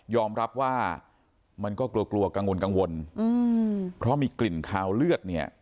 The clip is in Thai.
ยอมรับว่ามันก็กลัวกังวลเพราะมีกลิ่นคาวเลือดเนี่ย